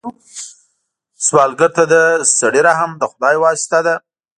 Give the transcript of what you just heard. سوالګر ته د سړي رحم د خدای واسطه ده